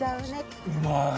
うまい！